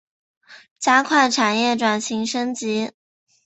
加快产业转型升级